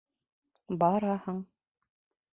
Бараһың.